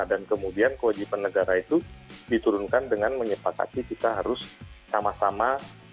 dan kemudian kewajipan negara itu diturunkan dengan menyepak kaki kita harus sama sama